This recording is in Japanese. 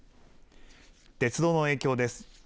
鉄道の影響です。